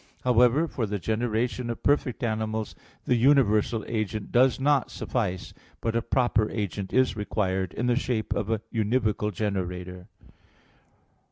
However, for the generation of perfect animals the universal agent does not suffice, but a proper agent is required, in the shape of a univocal generator.